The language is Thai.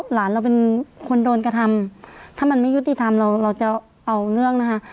หลานเราเป็นคนโดนกระทำถ้ามันไม่ยุติธรรมเราเราจะเอาเนื่องนะคะ